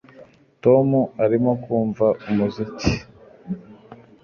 Tom arimo kumva umuziki